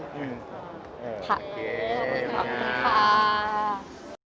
โอเคขอบคุณค่ะ